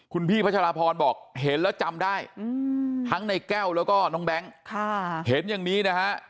คุณพี่พัชราพรบอกเห็นแล้วจำได้ทั้งในแก้วแล้วก็น้องแบงค์เห็นอย่างนี้นะฮะ